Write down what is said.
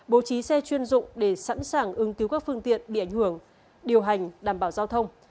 bố trí xe chuyên dụng để sẵn sàng ứng cứu các phương tiện bị ảnh hưởng điều hành đảm bảo giao thông